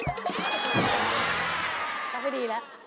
ก็ไม่ดีแล้ว